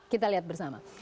kita lihat bersama